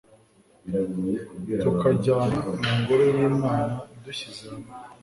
tukajyana mu Ngoro y’Imana dushyize hamwe